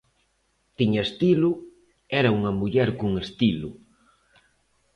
Tiña estilo, era unha muller con estilo.